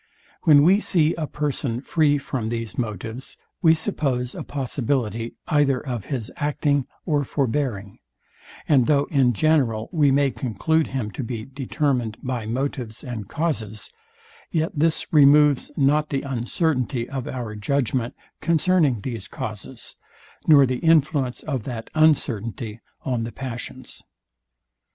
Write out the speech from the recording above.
When we see a person free from these motives, we suppose a possibility either of his acting or forbearing; and though in general we may conclude him to be determined by motives and causes, yet this removes not the uncertainty of our judgment concerning these causes, nor the influence of that uncertainty on the passions.